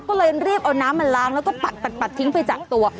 ก็เลยรีบเอาน้ำมาล้างแล้วก็ปัดทิ้งไปจากตัว